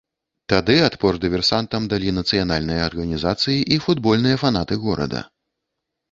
Тады адпор дыверсантам далі нацыянальныя арганізацыі і футбольныя фанаты горада.